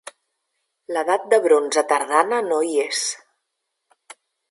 L'Edat de Bronze tardana no hi és.